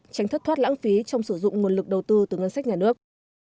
tránh thất thoát lãng phí trong sử dụng nguồn lực đầu tư từ ngân sách nhà nước